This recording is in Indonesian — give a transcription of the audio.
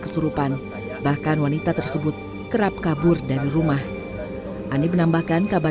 kesurupan bahkan wanita tersebut kerap kabur dari rumah ani menambahkan kabar